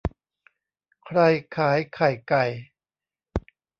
ใครขายไข่ไก่